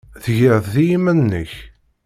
Tgiḍ-t i yiman-nnek?